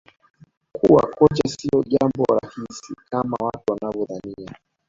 kuwa kocha sio jambo rahisi kama watu wanavyodhani